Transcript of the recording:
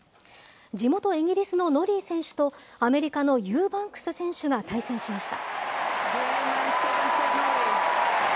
地元イギリスのノリー選手とアメリカのユーバンクス選手が対戦しました。